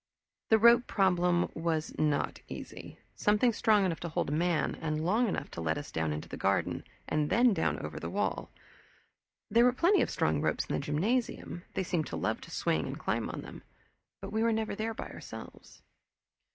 The rope problem was not easy. Something strong enough to hold a man and long enough to let us down into the garden, and then down over the wall. There were plenty of strong ropes in the gymnasium they seemed to love to swing and climb on them but we were never there by ourselves.